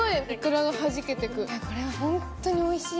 これは本当においしい。